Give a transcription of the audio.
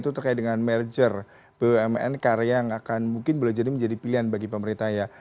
terkait dengan merger bnm bnm karya yang mungkin akan menjadi pilihan bagi pemerintah ya